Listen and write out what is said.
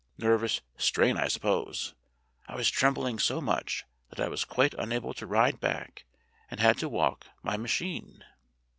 Nervous strain, I suppose. I was trembling so much that I was quite unable to ride back and had to walk my machine."